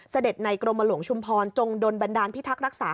เสด็จในกรมหลวงชุมพรจงโดนบันดาลพิทักษ์รักษา